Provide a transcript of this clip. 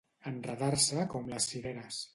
Enredar-se com les cireres.